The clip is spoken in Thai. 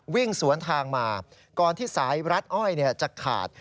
วิ่งสวนทางมาก่อนที่สายรัดอ้อยจะขาด